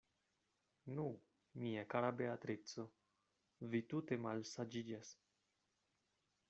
Nu, mia kara Beatrico, vi tute malsaĝiĝas.